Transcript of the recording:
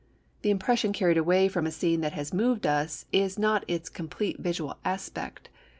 The impression carried away from a scene that has moved us is not its complete visual aspect.